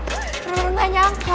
gue bener bener gak nyangka